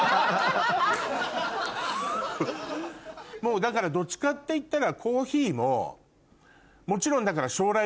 もうどっちかっていったら。